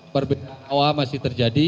perbedaan awal masih terjadi